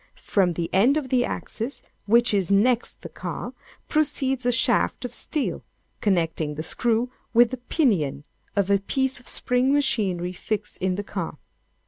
From the end of the axis which is next the car, proceeds a shaft of steel, connecting the screw with the pinion of a piece of spring machinery fixed in the car.